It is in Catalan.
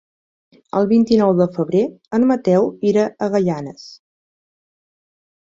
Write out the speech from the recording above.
El vint-i-nou de febrer en Mateu irà a Gaianes.